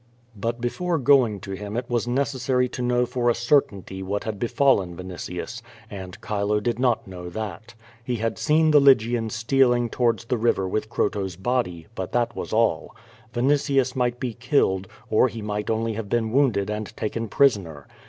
But before going to him it was necesssary to know for a certainty what had befallen Vinitius, and ('hilo did not know that. He had seen the Lvgian stealing towards the river with Croto's body, but that was all. Vinitius might lie killed,, or he might only have been wounded and taken prisoner.